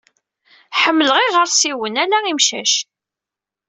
Ḥemmleɣ iɣersiwen, ala imcac.